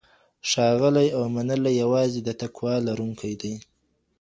ښاغلی او منلی یوازې د تقوی لرونکی دی.